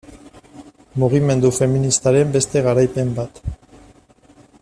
Mugimendu feministaren beste garaipen bat.